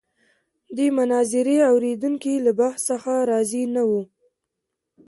د مناظرې اورېدونکي له بحث څخه راضي نه وو.